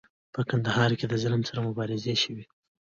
په کندهار کې د ظلم سره مبارزې شوي.